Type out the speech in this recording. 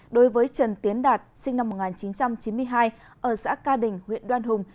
đối với trần tiến đạt sinh năm một nghìn chín trăm chín mươi hai ở xã ca đình huyện đoan hùng